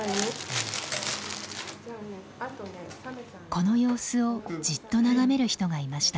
この様子をじっと眺める人がいました。